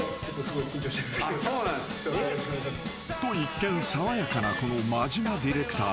［と一見爽やかなこの間島ディレクター］